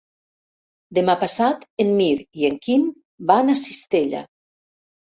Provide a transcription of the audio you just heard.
Demà passat en Mirt i en Quim van a Cistella.